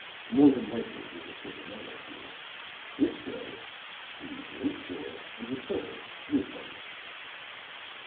"More than likely they will send a man or two; if so, please wait for and return with them."